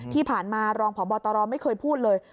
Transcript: ที่ผ่านมารองพบตรไม่เคยพูดเลย